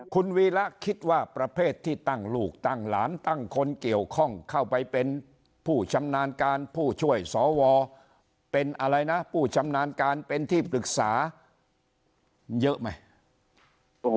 คุณวีระคิดว่าประเภทที่ตั้งลูกตั้งหลานตั้งคนเกี่ยวข้องเข้าไปเป็นผู้ชำนาญการผู้ช่วยสวเป็นอะไรนะผู้ชำนาญการเป็นที่ปรึกษาเยอะไหม